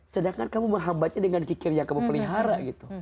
sedangkan kamu menghambatnya dengan kikir yang kamu pelihara gitu